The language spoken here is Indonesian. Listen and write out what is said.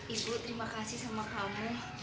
ibu terima kasih sama kamu